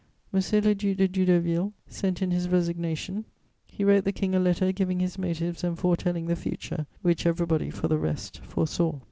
M. le Duc de Doudeauville sent in his resignation; he wrote the King a letter giving his motives and foretelling the future, which everybody, for the rest, foresaw.